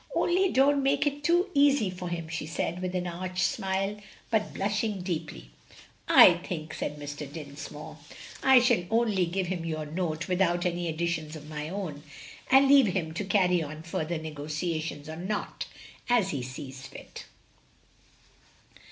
only don't make it too easy for him," she said, with an arch smile, but blushing deeply. "I think," said Mr. Dinsmore, "I shall only give him your note without any additions of my own, and leave him to carry on further negotiations, or not, as he sees fit."